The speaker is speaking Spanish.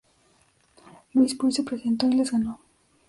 Luis Puig se presentó y las ganó.